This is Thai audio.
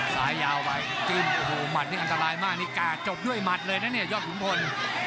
ยาวไปจิ้มโอ้โหหมัดนี่อันตรายมากนี่กาดจบด้วยหมัดเลยนะเนี่ยยอดขุนพล